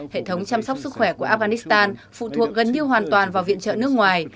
hệ thống chăm sóc sức khỏe của afghanistan phụ thuộc gần như hoàn toàn vào viện trợ nước ngoài